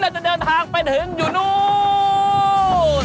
จะเดินทางไปถึงอยู่นู้น